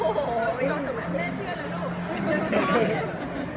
โอ้โหไม่ยอมสมัครเล่นเชื่อแล้วลูก